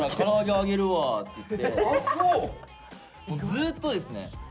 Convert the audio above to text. もうずっとですね。